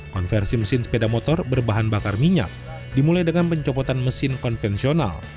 konversi mesin sepeda motor berbahan bakar minyak dimulai dengan pencopotan mesin konvensional